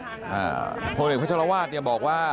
ทนตำรวจเอกพัชรวาสบอกว่า